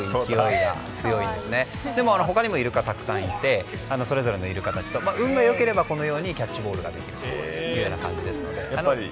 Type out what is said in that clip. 他にもイルカはたくさんいてそれぞれのイルカたちと運が良ければキャッチボールができるみたいで。